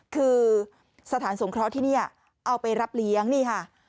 คือสถานสงเคราะห์ที่นี่เอาไปรับเลี้ยงนี่ค่ะ